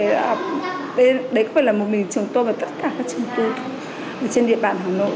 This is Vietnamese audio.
đấy cũng phải là một mình trường tư và tất cả các trường tư trên địa bàn hà nội